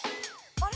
あれ？